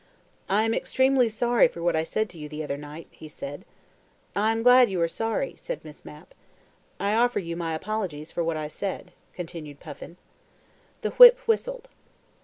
"I am extremely sorry for what I said to you the other night," he said. "I am glad you are sorry," said Miss Mapp. "I offer you my apologies for what I said," continued Puffin. The whip whistled.